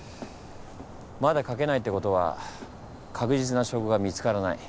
まだ書けないってことは確実な証拠が見つからない。